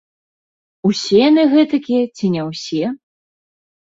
Усе яны гэтакія ці не ўсе?